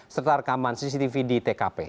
serta rekaman cctv di tkp